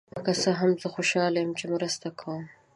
که څه هم، زه خوشحال یم چې مرسته کوم.